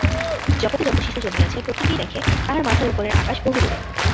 জগতে যত শিশু জন্মিয়াছে, প্রত্যেকেই দেখে তাহার মাথার উপরের আকাশ বহুদূরে।